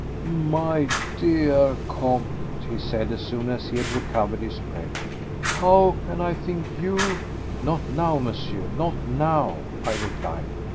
"My dear Comte," he said as soon as he had recovered his breath, "how can I think you? ..." "Not now, Monsieur, not now," I replied.